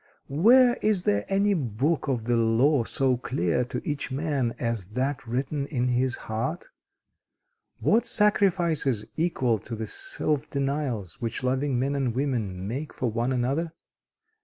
Where is there any book of the law so clear to each man as that written in his heart? What sacrifices equal the self denials which loving men and women make for one another?